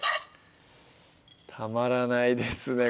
たまらないですね